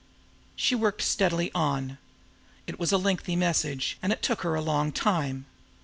She worked steadily on. It was a lengthy message, and it took her a long time.